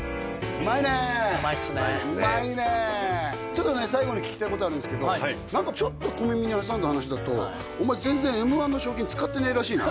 うまいねうまいっすねうまいねちょっとね最後に聞きたいことあるんですけど何かちょっと小耳に挟んだ話だとお前全然Ｍ−１の賞金使ってねえらしいな？